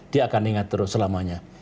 dia akan ingat terus selamanya